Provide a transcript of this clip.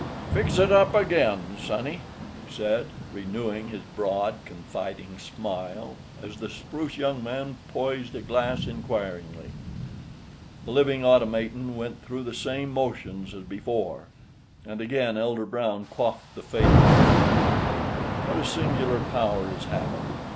"Fix it up again, sonny," he said, renewing his broad, confiding smile, as the spruce young man poised a glass inquiringly. The living automaton went through the same motions as before, and again Elder Brown quaffed the fatal mixture. What a singular power is habit!